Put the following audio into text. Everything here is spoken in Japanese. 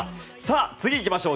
次、行きましょう。